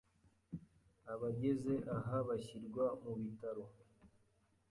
Abageze aha bashyirwa mu bitaro,